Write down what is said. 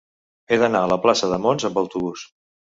He d'anar a la plaça de Mons amb autobús.